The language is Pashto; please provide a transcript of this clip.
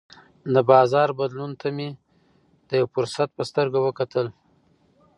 د بازار بدلون ته مې د یوه فرصت په سترګه وکتل.